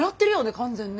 完全にね。